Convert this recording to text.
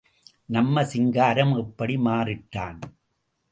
நம்ம சிங்காரம் எப்படி மாறிட்டான்?